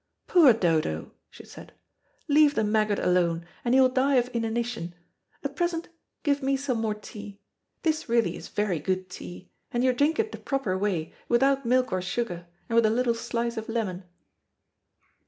"Poor Dodo," she said, "leave the maggot alone, and he will die of inanition. At present give me some more tea. This really is very good tea, and you drink it the proper way, without milk or sugar, and with a little slice of lemon."